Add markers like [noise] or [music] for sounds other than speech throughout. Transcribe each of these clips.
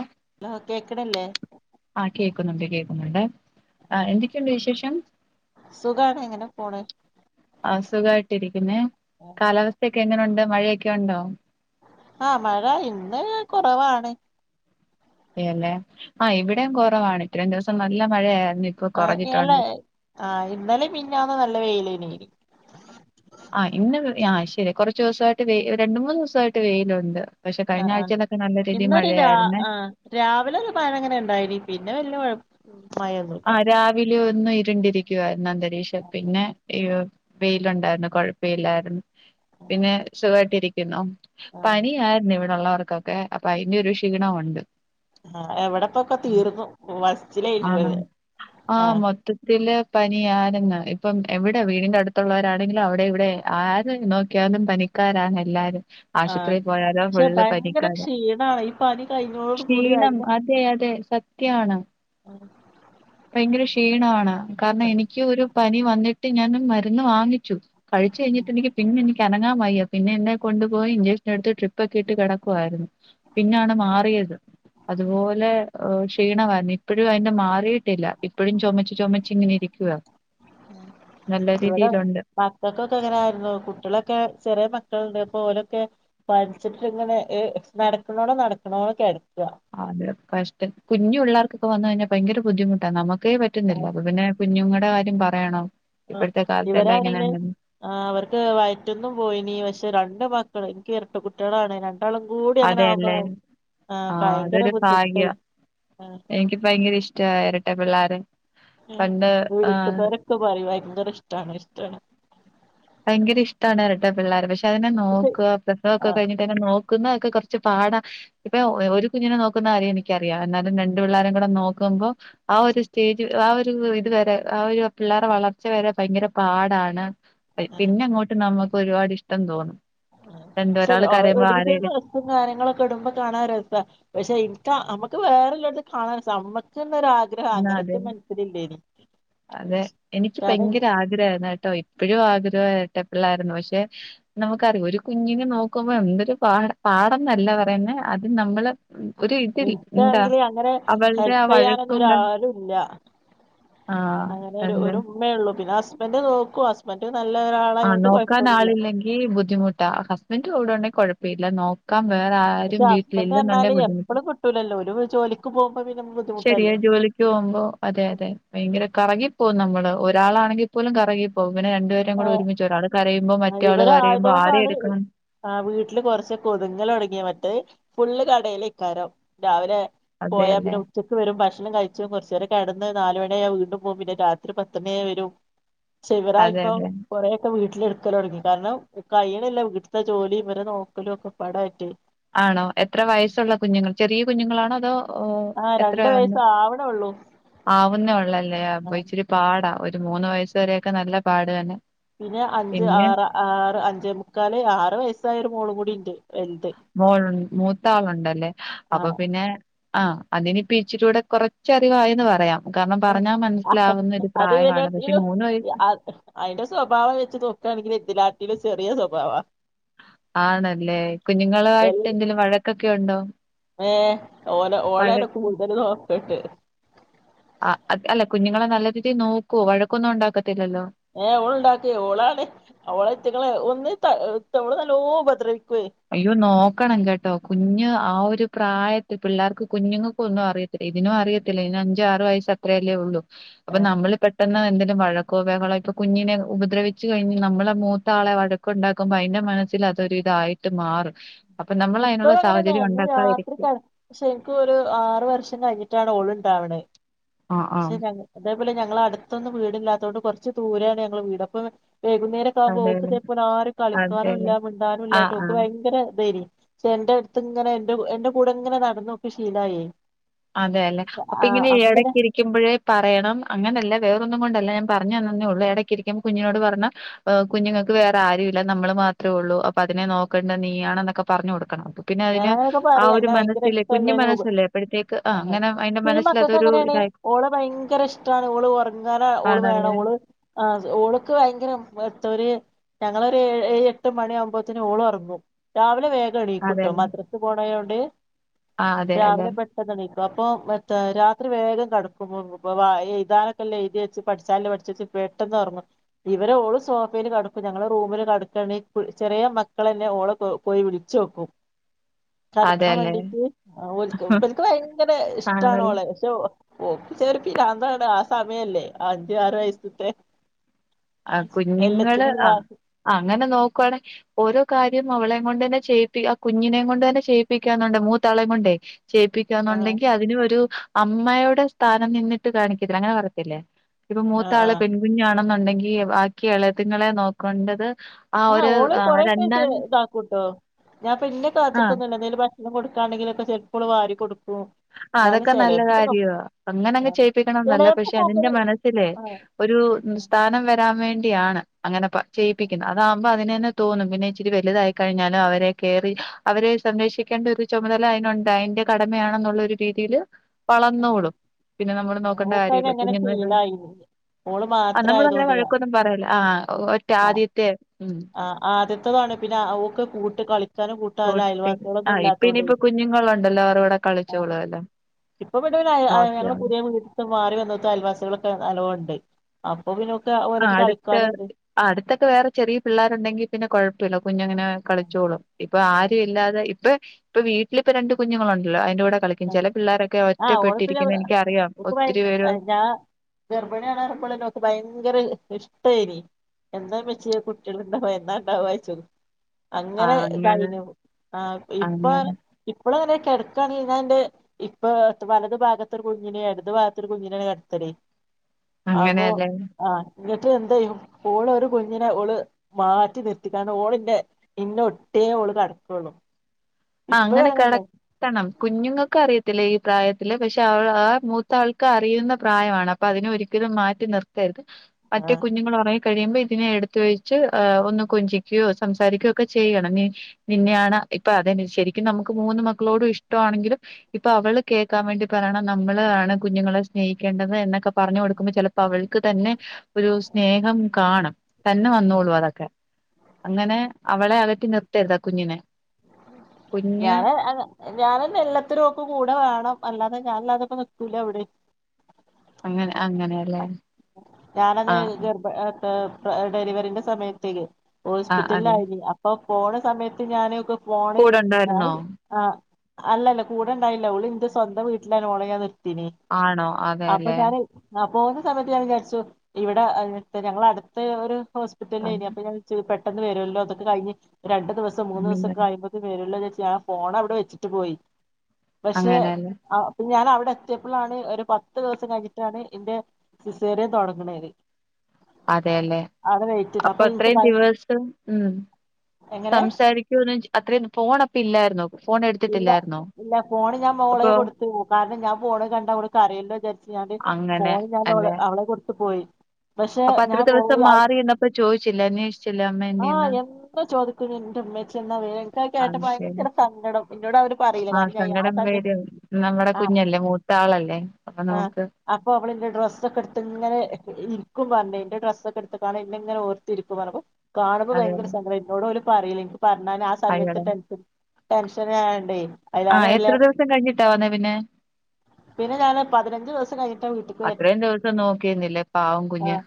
ആഹ് കേക്കണില്ലേ ആഹ്കേക്കുന്നുണ്ട് കേക്കുന്നുണ്ട് എന്തൊക്കെയുണ്ട് വിശേഷം സുഖാണ് ഇ ങ്ങനെ പോണ അ ഹ്സുഖമായിട്ടിരിക്കുന്നെ കാലാവസ്ഥയൊക്കെ എങ്ങനെയുണ്ട് മഴയൊക്കെ ഉണ്ടോ ആഹ് മഴ ഇന്ന് കുറവാണ് അതെ അല്ലേ ആഹ് ഇവിടെയും കുറവാണ് ഇത്രയും ദിവസം നല്ല മഴയായിരുന്നു ഇപ്പൊ ആല്ലെ കുറഞ്ഞിട്ടുണ്ട് ആ ഇന്നലെ മിഞ്ഞ ന്ന് നല്ല വെയിലന ആഹ്ഇന്ന്ആ ശരി കുറച് ദിവസായിട്ട് വ രണ്ട് മൂന്ന് ദിവസായിട്ട് വെയിലുണ്ട് പക്ഷെ ആഹ് കഴിഞ്ഞ ആഹ് ആഴ്ചയിലൊക്കെ നല്ല രീതി ഇന്നൊരു രാ മഴയായിരുന്നേ ആഹ് രാവിലെ ഒരു മഴങ്ങനെ ഉണ്ടായിനി പിന്നെ വല്യ കൊഴപ്പം ഉ മയത് ആഹ് രാവിലെ ഒന്ന് ഇരുണ്ടിരിക്കുവായിരുന്നു അന്തരീക്ഷം പിന്നെ ഈ വെയിലുണ്ടായിരുന്നു കൊഴപ്പയിലായിരുന്നു പിന്നെ സുഖയിട്ടിരിക്കുന്നു ആഹ് പനിആയി രുന്നുഇവിടെള്ളവർക്കൊക്കെ അപ്പ അയിന്റെ ഒരു ക്ഷീണമുണ്ട് [unintelligible] വസ്റ്റ് ലെ ആണോ ആഹ് മത്ത്‌ ട്ടിലെ പനി ആനെന്ന് ഇപ്പം എവിടെ വീടിന്റെ അടുത്തുള്ളോരാണെങ്കിലും അവിടെ ഇവിടെ ആര് നോ ക്യാലും പനിക്കാരാന്ന് എല്ലാരും ആഹ് ആശുപത്രി പോയാലും പക്ഷെ ഫുള്ള് ഭയങ്കര പനിക്കാനാ ക്ഷീണാണ് ഈ പനി കഴിഞ്ഞോട് കൂടി ക്ഷീണം ഭയങ്കര അതെ അതെ സത് ത്യാണ് ആഹ് ഭയങ്കര ക്ഷീണവാണ് കാരണം ആഹ് എനിക്ക് ഒരു പനി വന്നിട്ട് ഞാന് മരുന്ന് വാങ്ങിച്ചു കഴിച്ചു കഴിഞ്ഞിട്ട് എനിക്ക് പിന്നെ എനിക്ക് അനങ്ങാൻവയ്യ പിന്നെ എന്നെ കൊണ്ടുപോയി ഇഞ്ചക്ഷൻ എടുത്ത് ട്രിപ്പക്കെ ഇട്ട് കിടക്കുവായിരുന്നു പിന്നാണ് മാറിയത് അതുപോലെ ക്ഷീണമാന്നി ഇപ്പൊഴും അങ്ങനെ മാറിയിട്ടില്ല ഇപ്പോഴും ചൊമച് ചൊമച്ച് ഇങ്ങനെ ഇരിക്കുവ നല്ല രീതിയിലുണ്ട് ഇവക്കൊക്കെ അങ്ങനെ ആയിരുന്നു കുട്ട്യേളൊക്കെ ചെറിയ മക്കളുണ്ട് അപ്പൊഓലൊക്കെ പൻച്ചിട്ട് ഇങ്ങനെ നടക്കണോടം നടക്കണോടം കെടക്കാ അതെയോ കഷടം കുഞ്ഞു പിള്ളാർക്കൊക്കെ വന്ന്കഴിഞ്ഞാ ഭയങ്കര ബുദ്ധിമുട്ടാ നമക്കേ പറ്റുന്നില്ല അപ്പ പിന്നെ കുഞ്ഞുങ്ങടെ കാര്യം പറയണോ ഇപ്പോഴത്തെ കാലത്തെല്ലാം എങ്ങനെയുണ്ടെന്ന് ആഹ് അവർക്ക് വയറ്റ്ന്നും പോയിനീ പക്ഷെ രണ്ട് മക്കള് ഇന്ക്ക് ഇരട്ട കുട്ടിയാളാണ് രണ്ട് ണ്ടാളും കൂടി അങ്ങനെ ആവുമ്പോ അതെയല്ലേ ഭയ ആഹ് ആ ഭയങ്കര അതൊരു ഭാഗ്യാ ബുദ്ധിമുട്ടേയ്നി ആഹ് എനിക്ക് ഭയകര ഇഷ്ടവാ എരട്ട പിള്ളേരെ പണ്ട് ആഹ്‌ പ്പൊ പറയും ഭയങ്കര ഇഷ്ടാണ് ഇഷ്റ്റാണ് ഭയങ്കര ഇഷ്ടാണ് ഇരട്ട പിള്ളോര് പക്ഷെ അതിനെ പക്ഷെ നോക്കുക പ്രസവം ആ ഒക്കെ കഴിഞ്ഞ് ട്ടയ്നെ നോക്കുന്നതൊക്കെ കൊറച്ച് പാടാ ഇപ്പൊ ഒരു കുഞ്ഞിനെ നോക്കുന്ന കാര്യം എനിക്കറിയാം എന്നാലും രണ്ട് പിള്ളാരേം കൂടെ നോക്കുമ്പോ ആ ഒരു സ്റ്റേജ് ആ ഒര് ഇത്‌ വരെ ആ ഒരു പിള്ളേരെ വളർച്ച വരെ ഭയങ്കര പാടാണ് ആ പിന്നെ അങ്ങോട്ട് നമ്മുക്ക് ഒരുപാട് ഇഷ്ടം തോന്നും രണ്ട് ഒരാൾക്കരയുമ്പോ ആരെ എട് ക്കും കാര്യങ്ങളൊക്കെ ഇടുമ്പോ കാണാ രസാ പക്ഷെ ഇൻക്കാ അമ്മക്ക് വേറെല്ലോൽത് കാണാൻ രെസാ അമ്മക്ക്ന്നൊരാ ഗ്രഹാ എടുക്കുന്ന അതെ അങ്ങനെക്കും മൻസ്സ്ലില്ലേനി അതെ എനിക്ക് ഭയങ്കര ആഗ്രഹാരുന്നുകെട്ടോ ഇ പ്പഴും ആഗ്രഹാ എരട്ട പിള്ളേരെന്ന് പക്ഷെ നമുക്കറിയാം ഒരു കുഞ്ഞിനെ നോക്കുമ്പോ എന്തൊരു പാടാ പാടന്നല്ല പറയുന്നേ അത് നമ്മള് ഒരു ഇത്തിരി എന്താ എനിക്കാണെങ്കില് അവൾടെ ആ വഴക്കും ബ ആരും ഇല്ല്യ ആഹ് അങ്ങനെ അല്ല ഒരു ഉമ്മെയൊള്ളു പിന്നെ അസ് ബന്റ് നോക്കും ഹസ്ബന്റ് നല്ല ഒരാളായോണ്ട് കൊഴ്പ്പൊന്നുല്ല ഈ ബുദ്ധിമുട്ടാ ആഹ് ഹസ്ബന്ഡ് കൂടെയുണ്ടെങ്കി കൊഴപ്പഇല്ല നോ ക്കാം വേറെ ആരും വീട്ടിലില്ലെന്നുണ്ടേ ബുദ്ധിമുട്ട് ട്ടൂല്ലലോ ഓര് പ്പൊ ജോലി ക്ക് പോവുമ്പോ പിന്നെ ശരിയാ ബുദ്ധിമുട്ടല്ലേ ജോലിക്ക് പോവുമ്പോ അതെ അതെ ഭയങ്കര കറങ്ങി പോവും നമ്മള് ഒരാളാണെങ്കിൽ പോലും കറകിപ്പോവും പിന്നെ രണ്ടുപേരെ കൂടെ ഒരുമിച്ച് ഒരാള് കരയുമ്പോ ഏഹ് മറ്റേ ആള് കരയുന്നു ആരെ ഇവരായതുകൊണ്ടാണ് എടുക്കണം ആഹ് വീട്ട്ല് കൊറച്ചൊക്കെ ഒത്ങ്ങലൊടങ്ങിയ മട്ട് ഫുള്ള് കടയിലേക്കാരം രാവിലെ പോയാ അതെല്ലേ പിന്നെ ഉച്ച ക്ക് വെരുംഭക്ഷണം കഴിച്ച് കൊർച്ചേരം കെടന്ന് നാല് മണിആയാ വീണ്ടും പോവും പിന്നെ രാത്രി പത്തണി ആയ വെരും ശിവരായ് അതെല്ലേ കൊറേക്കെ വീട്ട്ല് ഇട്ക്കലൊടങ്ങി കാര്ണം കയ്യ്ണില്ല വീട്ട്ത്തെ ജോലിം ഇവരെ നോക്കലും ഒക്ക പടായിട്ടെ ആണോ എത്ര വയസ്സുള്ള കുഞ്ഞുങ്ങൾ ചെറീ കുഞ്ഞുങ്ങളാണൊ അതോ ഓഹ്‌ ആഹ് രണ്ട് എത്രേണ് വയസ്സ് ആവണൊള്ളൂ ആവുന്നെ ഉള്ളല്ലെ അപ ആഹ് ഇച്ചിരി പാട ഒരു മൂന്ന് വയസ് വരെയൊക്കെ നല്ല പാട് തന്നെ പിന്നെ അഞ്ച് പിന്നെ ആറ് ആറ് അഞ്ചേ മുക്കാല് ആറ് വയസ്സായ ഒരു മോളും കൂടിണ്ട് മോൾ മൂത്താളുണ്ടല്ലെ അപ്പൊ ആഹ് പിന്നെ ആഹ്‌ അതിനിപ്പ ഇച്ചിരൂടെ കൊറച്ചറിവായന്ന് പറയാം കാര്ണം ഉം. പർഞ്ഞാ അ- മനസ്സിലാവ്ന്നൊര് അത് പ്രായമാണ് പക്ഷെ വല്ലോട്ടിലും മൂന്ന് വയസ് അ- അയിന്റെ സ്വഭാവം വെച്ച് നോക്കാണെങ്കിൽ ഇതിലാട്ടിലും ചെറിയ സ്വഭാവ ആണല്ലേ കുഞ്ഞുങ്ങളുവായിട്ട് എന്തെലും വഴക്കൊക്കെ ഉണ്ടോ? ഏഹ് ഓല വഴ ഓലാണ് കൂട്തല് നോക്കണ്ടെ ആഹ് അ അല്ല കുഞ്ഞുങ്ങളെ നല്ല രീതിയി നോക്കൊ വഴക്കൊന്നും ഉണ്ടാക്കത്തില്ലല്ലൊ? ഏഹ് ഓള്ണ്ടാക്കെ ഓളാണ് ഓള് അയ്റ്റങ്ങളെ ഒന്ന് ത ഓള് നല്ലൊ ഉപദ്രവിക്ക്യെ അയ്യോ നോക്കണം കെട്ടൊ കുഞ്ഞ് ആഹ് ഒരു പ്രായത്തി പിള്ളാർക്ക് കുഞ്ഞുങ്ങക്ക് ഒന്നും അറി ഇതിനും അറിയത്തില്ല ഇതിന് അഞ്ച് ആറ് വയസ് അത്രേയല്ലെ ഉള്ളു അപ്പൊ നമ്മള് - പെട്ടെന്ന് എന്തെങ്കിലും വഴക്കൊ ബഹളൊ ഇപ്പ കുഞ്ഞിനെ ഉപദ്രവിച്ച് കയിഞ്ഞ് നമ്മളെ മൂത്ത ആളെ വഴക് ഉണ്ടാക്കുമ്പൊ അയിന്റെ മനസ്സില് അതൊര് ഇതായിട്ട് മാറും അപ്പൊ നമ്മള് അയ്നുള്ള ഇപ്പഴും അങ്ങനെ തന്നെ സാഹചര്യം ഇന്ന് രാത്രി ഉണ്ടാക്കാതിരിക്ക കെ- പക്ഷെ ഇൻക്ക് ഒരു ആറു വർഷം കയിഞ്ഞിട്ടാണ് ഓള്ണ്ടാവ്ണെ ആ ആ പക്ഷെ ഞങ ഇതേപോലെ ഞങ്ങള അട്ത്തൊന്നും വീടില്ലാത്തോണ്ട് കൊറ്ച്ച് തൂര്യാണ് ഞങ്ങളെ വീട് അപ വൈകുന്നേരം അതെല്ലേ പോക്കതേ പോലെ ആരും അതെല്ലേ കളിക്കാനൂല്ല മിണ്ടാനൂല്ല ആ ആ ഓക്ക് ഭയങ്കര ഇതെയ്ന് പക്ഷെ ഇന്റ അടുത്ത് ഇങ്ങനെ എന്റെ എന്റെ കൂട ഇങ്ങനെ നടന്നോക്ക് ഷീലായി അതേലെ അപ്പ ഇങ്ങനെ പിന്നെ എടയ്ക്കിരി ക്കുമ്പഴെ പറയണം അങ്ങനല്ല വേറൊന്നും കൊണ്ടല്ല ഞാൻ പറഞ്ഞന്നെ ഉള്ളു എടയ്ക്കിരിക്കുമ്പൊ കുഞ്ഞിനോട് പറ്ഞ്ഞ കുഞ്ഞുങ്ങക്ക് വേറെ ആരു ഇല്ല നമ്മള് മാത്രെ ഒള്ളു അപ്പൊ അതിനെ നോക്കണ്ട നീയാണ്ന്നൊക്ക പറ്ഞ്ഞു കൊട്ക്കണം പിന്നെ അയിന് ഞാനങ്ങനൊക്കെ ആഹ് പറയും ഒരു അന്നെ ഭയങ്കര മനസ്സിലെ കുഞ്ഞു ഇഷ്ടല്ലേനു മനസ്സല്ലെ അപ്പഴത്തേ - - ആഹ് ഈ മക്കക്ക് അങ്ങനേണ് ഓള് ഭയങ്കര ഇഷ്ടാണ് ഓള് ഒറങ്ങാന് ഓള് ആണല്ലേ. വേണം ഓള് ആഹ് ഓള്‌ക്ക്‌ യങ്കരം എത്തോര് ഞങ്ങളൊര് ഏഴ് എട്ട് മണിയാവുമ്പത്തിന് ഓള് ഒറങ്ങും രാവിലെ വേകം എണീ അതെല്ലേ. ക് പോണയോണ്ട് ആഹ് അതെ അല്ലേ. രാവിലെ പെ ണിക്കും അപ്പം മ എത്ത രാത്രി വേഗം കട്ക്കും എഴ്താനൊക്കല്ല എഴ്തി വെച്ച് പഠിച്ചാല്ല പഠിച്ച് വെച്ച് പെട്ടെന്ന് ഒർങ്ങും ഇവര് ഓള് സോഫീല് കട്ക്കും ഞങ്ങള് റൂമില് കടക്കാണെ ചെറീ മക്കളെന്നെ ഓള സോ പോയി വിളിച്ചോക്കും. അതെ. കെടക്കാൻ അതെല്ലേ. വേണ്ടീട്ട് ഇവൽക്ക് ഭയങ്കര ഇഷ്ടാണ് ആണല്ലേ. ഓളെ പക്ഷെ ഓപ്പ് ചെറ്പ്പ പിരന്താണ് ആഹ് സമയല്ലെ അഞ്ച് ആറ് വയസ്സ് ആ കുഞ്ഞുങ്ങള് എല്ലത്തിനു ഒര് ആ മാ അങ്ങനെ നോക്കുവാണെ ഓരോ കാര്യം അവളെ കൊണ്ട് തന്നെ ചെയ്യിപ്പ ആഹ് കുഞ്ഞിനെ കൊണ്ട് തന്നെ ചെയ്യിപ്പിക്കാന്ന്ണ്ടെ മൂത്താളെം കൊണ്ടെ- ചെയ്പ്പി ആഹ് ന്നുണ്ടെങ്കി അതിന് ഒരു അമ്മയുടെ സ്ഥാനം നിന്നിട്ട് കാണിക്കത്തില്ലെ അങ്ങനെ പറയത്തില്ലെ ഇപ്പൊ ആഹ് മൂത്താള് ആഹ് പെൺകുഞ്ഞാണെന്നുണ്ടെങ്കി ബാക്കി എളേത്തിങ്ങളെ നോക്കണ്ടത് ആഹ് ഓള് കൊറേ പ ഇതാക്കുട്ടോ ഞാൻ പിന്ന ആ കാത്ത്ക്കൊന്നുല്ല എന്തേലും ഭക്ഷ ഭക്ഷണംകൊട്ക്കാണ്ടെങ്കിലൊക്ക എപ്പളും വാരി കൊട്ക്കും ആഹ് അതൊക്കെ നല്ല കാര്യവാ. അങ്ങനെ അങ്ങ് ആഹ് ചെയ്യിപ്പിക്കണംന്നല്ല. പക്ഷെ ചെലേപ്പൊക്കെ ഓക്ക് അതിന്റെ മനസ്സിലേ ആഹ് ഒരു സ്ഥാനം വരാൻ വേണ്ടിയാണ് അങ്ങനെ പ ചെയ്യിപ്പിക്കുന്നത് അതാകുമ്പോ അതിനന്നെ തോന്നും. പിന്നെ ഇച്ചിരി വലുതായി കയ്ഞ്ഞാലും അവരെ കേറി അവരെ സംരക്ഷിക്കേണ്ട ഒരു ചുമതല അയ്നുണ്ട്. അയ്ന്റെ കടമയാണെന്നുള്ള ഒരു രീതിയില് ആഹ് വളന്നോളും. പിന്നെ നമ്മള് നോക്കണ്ട ഓക്കയിന് കാര്യല്ല അങ്ങനെ കുഞ്ഞ്ങ്ങളെന്നെ ശീലായി ഓള് അഹ് നമ്മള് അങ്ങനെ മാത്രായതോണ്ട് വഴക്കൊന്നും പറയില്ല ആഹ് ഒറ്റ ആദ്യത്തെ ഉം ആദ്യത്തെതാണ് പിന്നെ ഓക്ക് കൂട്ട് കളി ക്കൂട്ടി, ആഹ് ഇപ്പ ഇനിയിപ്പോ കുഞ്ഞുങ്ങളുണ്ടല്ലോ അവരൂടെ കളിച്ചോളു അല്ലോ. ഇപ്പ പിന്നയ്ന അഹ് അഹ് ഞങ്ങളെ പുതിയ വീട് മാറി വന്നതും അയൽവാസിയേളൊക്കെ നല്ലോണ്ട്. അപ്പൊ പിന്നെ ഓക്ക് ഓലൊക്കെ കളിക്കാനു ണ്ട്. ആഹ് അടുത്തൊക്കെ വേറെ ചെറിയ പിള്ളേരുണ്ടെങ്കി പിന്നെ കൊഴപ്പ ഇല്ല. കുഞ്ഞങ്ങനെ കളിച്ചോളും. ഇപ്പ ആഹ് ആരുഇല്ലാതെ ഇപ്പ ഇപ്പൊ വീട്ടിലിപ്പൊ രണ്ട് കുഞ്ഞുങ്ങളുണ്ടല്ലോ. അയിന്റെ കൂടെ കളി ക്കും. ചെല പിള്ളോരൊക്കെ ആഹ് ഓള് പിന്നെ ഒറ്റപ്പെട്ടിരിക്കുന്നെ. എനിക്കറിയാം ഒത്തിരി പേര് ഗർമിണിയാണ് പർഞപ്പളന്നെ ഓൾക്ക് ഭയങ്കര ഇഷ്ട്ടേനി. എന്നാ ഇമ്മച്ചിയെ കുട്ട്യേള് ഇണ്ടാവാ എന്നാ ഇണ്ടാവാ ചോയ്ച്ചും. ആ അങ്ങനെ അങ്ങനെ ഇതായിനു. ആഹ് ഇപ്പ അങ്ങനെ ഇപ്പളു അങ്ങനെ കെടക്കാണെ ഞാൻ ന്റെ ഇപ്പൊ ത് വലത് ഭാഗത്ത് ഒരു കുഞ്ഞിനെ ഇടത് ഭാഗത്തൊരു കുഞ്ഞിനേണ് കെടത്തല്. അപ്പോ അങ്ങനെയല്ലേ ആഹ്. ന്നട്ട് എന്തയ്യും ഓള് ഒരു കുഞ്ഞിനെ ഓള് മാറ്റി നിർത്തികാണ്ട് ഓളിന്റെ ഇന്നൊട്ട്യേ ഓള് കെടക്കൊള്ളു. ആഹ് അങ്ങനെ കെട ത്തണം. കുഞ്ഞുങ്ങക്ക് അറിയത്തില്ല ഈ പ്രായത്തില് പക്ഷെ അവൾ ആ മൂത്ത ആൾക്ക് അറിയുന്ന പ്രായമാണ്. അപ്പ അതിനെ ഒരിക്കലും മാറ്റി നിർത്തര്ത്. ആ മറ്റേ കുഞ്ഞുങ്ങൾ ഒറങ്ങി കഴിയുമ്പോ ഇതിനെ എടുത്ത് വെച്ച് ഏഹ് ഒന്ന് കൊഞ്ചിക്കോ സംസാരിക്കോ ഒക്കെ ചെയ്യണം നീ. നിന്നെയാണ് ഇപ്പൊ അതെന്നെ ശരിക്കും നമുക്ക് മൂന്ന് മക്കളോടും ഇഷ്ടമാണെങ്കിലും ഇപ്പൊ അവള് കേക്കാൻ വേണ്ടി പറയണം നമ്മള് ആണ് കുഞ്ഞുങ്ങളെ സ്നേഹിക്കേണ്ടത് എന്നൊക്കെ പറഞ്ഞു കൊടുക്കുമ്പം ചെല പ്പവൾക്ക് തന്നെ ഒരു സ്നേഹം കാണും, തന്നെ ആ വന്നോളും അതൊക്കെ. അങ്ങനെ അവളെ അകറ്റി നിർത്തരുതാ കുഞ്ഞിനെ. കുഞ്ഞ് ഞാൻ അങ് ഞാനെന്നെ എല്ലത്തിനും ഓക്ക് കൂടെ വേണം അല്ലാതെ ഞാനില്ലാതെ പ്പം നിക്കൂല എവിടിം. അങ്ങനെ അങ്ങനെയാല്ലേ. ഞാനന്ന് ഗർഭ എഹ്ഏഹ് ഡെലിവറിന്റെ സമയത്തേ ആഹ് ഹോസ്പിറ്റൽല് അതെ ആയീനി. അ പ്പം പോണ സമയത്ത് ഞാന് ഓക്ക് ഫോണ് കൂടെ ഞാന് ഉണ്ടായിരുന്നോ ആഹ് അല്ലല്ല. കൂടെ ഉണ്ടായില്ല ഓൾ ഇന്റെ സ്വന്തം വീട്ടിലാണ് ഓളെ ഞാൻ നിർ. ത്തീനി. ആണോ അപ്പം അതെല്ലേ ഞാൻ ആഹ് പോവുന്ന സമയത്ത് ഞാൻ വിചാരിച്ചു ഇവടെ എട്ത്ത് ഞങ്ങള അടുത്ത് ഒരു ആ, ഹോസ്പിറ്റൽലേനി. അപ്പൊ ഞാൻ ച്ച് പെട്ടെന്ന് വര്വല്ലോ ഇതൊക്കെ കഴിഞ് രണ്ട് ദിവസം മൂന്ന് അങ്ങനെ ദിവസൊക്കെ കഴിയുമ്പോ ത്തിന് വെര്വല്ലോ വിചാര്ച്ച് ഞാൻ ഫോൺ അവിടെ വെച്ചിട്ട് പോയി. പക്ഷെ അങ്ങനെയല്ലേ ആ ഞാൻ അവിടെ എത്ത്യേപ്പളാണ് ഒരു പത്ത് ദിവസം കഴിഞ്ഞിട്ടാണ് ഇന്റെ സിസ്സേറിയൻ തൊടങ്ങ്ണത്. അതെല്ലേ അവ്ടെ വെയ്റ്റെയ്ത്. അപ്പ അപ്പൊ ഇൻക്ക് അത്രയും ഭയ്, എങ്ങനെ? സംസാരിക്കോന്നയ്ച്ച അത്രയും ഫോണ പ്പ ഇല്ലായിര്ന്നൊ. ഇല്ല ഇല്ല ഫോണ് ഞാൻ മോളെ അപ്പൊ കൊടുത്തു. കാരണം ഞാൻ പോണത് കണ്ടാ ഓൾ കരയല്ലോ വിചാരിച്ചു ഞാന് അങ്ങനെ ഫോൺ ഞാൻ ഓളെ അല്ലെ അവളെ കൊടുത്തു പോയി. പക്ഷെ അപ്പൊ അത്ര ഞാൻ ദിവസം പോയി അവിടെ മാറി നിന്നപ്പ ചോദിച്ചില്ലേ അന്വേഷിച്ചില്ലേ അമ്മ ആ എന്തിയേന്ന്. എന്നും ചോദിക്കും ഇനി ന്റെ ഇമ്മച്ചി എന്നാ വരാ ഇൻക്ക് അത് കേട്ടപ്പം ഭയങ്കര സങ്കടം. എന്നോട് അവര് പറയില്ല ആഹ് കാരണം ഞാൻ ആ സങ്കടം സമയത്ത് വരും നമ്മുടെ ആ കുഞ്ഞല്ലേ. മൂത്ത ആളല്ലേ അപ്പൊ ആ നമുക്ക്. അപ്പൊ അവളിന്റെ ഡ്രസ്സ്ഒക്കെ എടുത്ത് ഇങ്ങന ഇരിക്കും പറഞ്ഞേ ഇന്റെ ഡ്രസ്സൊക്കെ ഇട്ത്ത്കാണ്ട് ഇന്ന ഇങ്ങനെ ഓർത്തി ഇരിക്കും പറഞ്ഞപ്പോ. കാണുമ്പോ ഭയങ്കര അതെല്ലേ സങ്കട എന്നോട് ഓല് പറയില്ല. ൻക്ക് പറഞ്ഞാൻ ആ സമയത്ത് അയ്യടാ ടെൻഷ. ഷനായോണ്ടെ. ആഹ് എത്ര ദിവസം കഴിഞ്ഞിട്ടാ വന്നെ പിന്നെ. പിന്നെ ഞാന് പതിനഞ്ച് ദിവസം കഴിഞ്ഞിട്ടാ വീട്ട്ക്ക് വര്ണേ അത്രയും ദിവസം നോക്കി നിന്നില്ലേ പാവം കുഞ്ഞ്. ആഹ്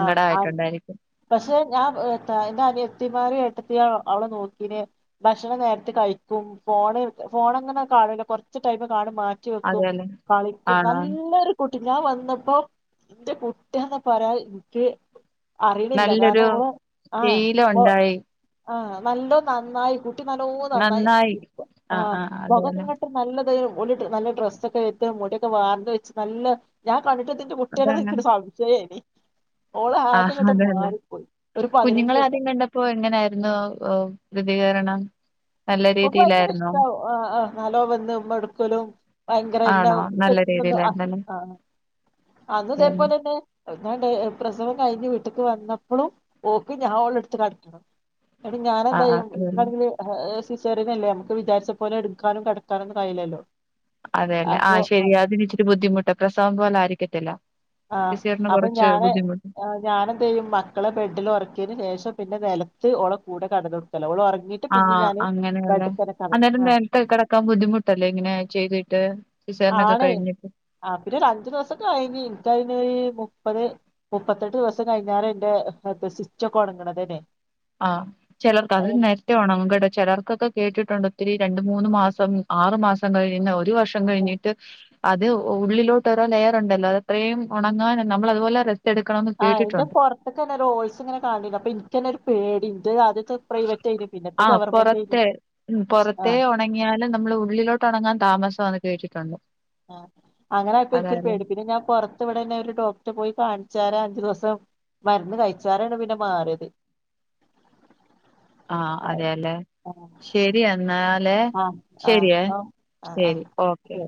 ആഹ് ആഹ് പക്ഷെ ഞാൻ എത്ത ന്റെ അനിയത്തിമ്മാരും ഏട്ടത്തിയ അവളെ നോക്കീനെ. ഭക്ഷണം നേരത്തെ കഴിക്കും ഫോണ് ഫോണങ്ങനെ കാണില്ല കൊറ്ച്ച് ടൈം കാണും മാറ്റി. റ്റിവെക്കും അതെല്ലേ കളിക്കും ആണോ നല്ലരു. കുട്ടി ഞാൻ വന്നപ്പോ ന്റെ കുട്ട്യാന്ന് പറയാൻ ൻക്ക്. അറിണില്ല നല്ലൊരു കാരണം ഓള് ശീലം ആഹ് ഉണ്ടായി ആഹ് നല്ലോ നന്നായി കുട്ടി നല്ലോ നന്നായി ഇപ്പോ ആഹ് മുഖക്കെങ്ങട്ട്. നല്ലതയ് ഓല് നല്ല ഡ്രസ്സൊക്കെ എത്ത് മുടിയൊക്കെ വാർന്ന് വെച്ച് നല്ല ഞാൻ കണ്ടിട്ട് ഇത്. ന്റെ കുട്ട്യാനെ ഇത് അതന്നെ ഇൻക്കൊരു സംശയേനി. ഓള് ആഹ് ആകെങ്ങട്ട് അതന്നെ മാറിപ്പോയി. ഒരു പതിനഞ്ച് ദിവസ. പ്പൊ എങ്ങനെയായിരുന്നു പ്രതികരണം. നല്ല ഓക്ക് ഭയങ്കര രീതിയിലായിരുന്നോ ഇഷ്ടവും് നലോ വന്ന് ഉമ്മ എടുക്കലും ഭയങ്കര ഇന്താ ആണോ ആ നല്ല രീതിയിലായിരുന്നല്ലേ [unintelligible] അന്ന അതേല്ലേ ഇതേപോലെന്നെ അവിടാണ്പ്രസവം കഴിഞ്ഞ് വീട്ടക്ക് വന്നപ്പോളും ഓക്കി ഞാൻ ഓള എടുത്ത് കടക്കണം ന്നിട്ട് ആഹ് ആഹ് ഞാാനന്തായും അതേല്ലേ ഇക്കാണെങ്കില് സിസേറിയനല്ലേ നമക്ക് വിാരിച്ച പോലെ എടുക്കാനും കടക്കാനുംന്ന കയിലല്ലോ അതെയല്ലെ ആ ശരി അതിന് ഇച്ചിരി ബുദ്ധിമുട്ട് പ്രസവം പോല ആയിരിക്കത്തില്ല ആഹ് സിസേറിയന് അപ്പൊ കൊറച്ച് ഞാന് ബുദ്ധിമു ഞാനെ എന്ത ചെയ്യും മക്കളെ ബെഡിൽ ഉറക്കിയതിന് ശേഷം പിന്നെ നിലത്ത് ഒള കൂടെ കടന്ന കൊടുക്കല്ലോ ള ഉറങ്ങിട്ട് പിന്നെ ആഹ് ഞാന് അങ്ങനെയല്ലേ ബെഡ്ക്കന്നെ കട അന്നേരം ആഹ് നേരത്തെ കിടക്കാൻ ബുദ്ധിമുട്ടല്ലേ ഇങ്ങനെ ചെയ്തിട്ട് സിസേറീനൊക്കെ ആണേ കഴിഞ്ഞിട്ട് ആഹ് പിന്ന ഒരു അഞ്ചു ദിവസം കഴിഞ്ഞീ ന്റയ്‌ന് മുപ്പത് മുപ്പത്തെട്ട് ദിവസം കഴിഞ്ഞാല എന്റെ ദസിച്ചക്ക ഉണങ്ങണതന്നെ ആഹ് ചലർക്കരി ന ചിലർക്കൊക്കെ കേട്ടിട്ടുണ്ട് ഒത്തിരി രണ്ട മൂന്ന് മാസം ആറു മാസം കഴിയന്ന് ഒരു വർഷം ഉണങ്ങണതന്നെ കഴിഞ്ഞിട്ട് അത് ഉള്ളിലോട്ട് രോ ലെയർ ഉണ്ടല്ലോ അത അത്രയും ഉണങ്ങാൻ നമ്മളതുപോലെ ആഹ് എൻന്റെ പുറത്തൊക്കെന്നെ ഹോൾസ് ഇങ്ങനെ കണ്ടില്ല അപ്പൊ എനിക്ക്ന്നെ ഒരു പേടിന്റെ ആദ്യത്തെ പ്രൈവറ്റ് ആയിന് പിന്നത്തെ ആഹ് ഗവർമെന്റ് ആയിന് ആഹ് ഒണങ്ങിയാലും നമ്മള് ഉള്ളിലോട്ട് ഇണങ്ങാൻ താമസംന്ന് കേട്ടിട്ടുണ്ട് ആഹ് അങ്ങനെയപ്പൊ എനക്കൊരു അതാല്ലേ പേടി പ്പിന്നെ ഞാൻ പൊറ. ഇ ഇവിടെന്നെ ഒരു ഡോക്ടർ പോയി കാണിച്ചാര അഞ്ചു ദിവസം മരുന്ന് കഴിച്ചാരാണ് പിന്നെ മാറിയത് ആഹ് അതെയല്ലേ ആഹ് ശരി എന്നാല ആഹ് ശരിയ ആഹ് ആഹ് ആഹ് ശരി ഓക്കെ ശരി